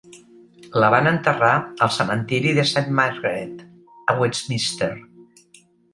La van enterrar al cementiri de Saint Margaret, a Westminster.